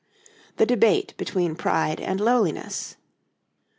'The Debate between Pride and Lowliness.'